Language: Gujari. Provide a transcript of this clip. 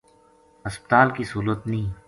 ہسپتال کی سہولت نیہہ